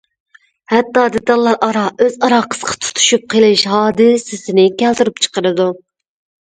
ھەتتا دېتاللار ئارا ئۆز ئارا قىسقا تۇتۇشۇپ قېلىش ھادىسىسىنى كەلتۈرۈپ چىقىرىدۇ.